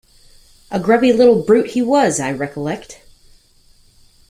A grubby little brute he was, I recollect.